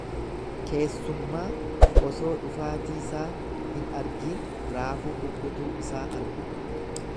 Keessummaa osoo dhufaatiisaa hin argiin raafuu kukkutuu isaa argu.